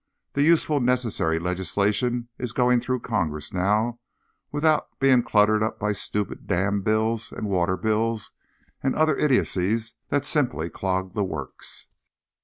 The useful, necessary legislation is going through Congress now without being cluttered up by stupid dam bills and water bills and other idiocies that simply clog the works.